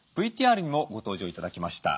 ＶＴＲにもご登場頂きました